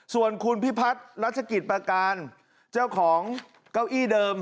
ส่วนคุณพิพัฒน์รัชกิจประการเจ้าของเก้าอี้เดิม